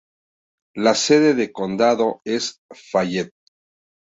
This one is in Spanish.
La sede de condado es Fayette.